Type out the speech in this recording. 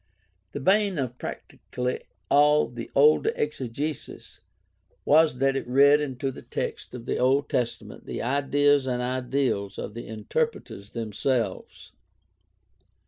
The bane of practically all the older exegesis was that it read into the text of the Old Testament the ideas and ideals of the inter preters themselves.